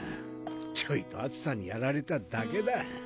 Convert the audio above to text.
ちょいと暑さにやられただけだ。